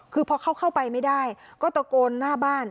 คือพอเขาเข้าไปไม่ได้ก็ตะโกนหน้าบ้าน